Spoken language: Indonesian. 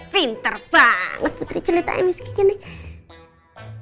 pinter banget putri ceritain miss kiki nih